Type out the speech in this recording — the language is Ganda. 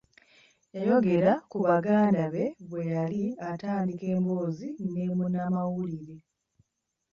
Yayogera ku baganda be bwe yali atandika emboozi ne munnamawulire.